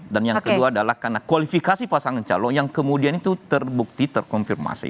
dan yang kedua adalah karena kualifikasi pasangan calon yang kemudian itu terbukti terkonfirmasi